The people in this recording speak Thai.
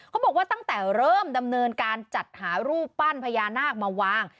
เขาบอกว่าตั้งแต่เริ่มดำเนินการจัดหารูปปั้นพญานาคมาวาง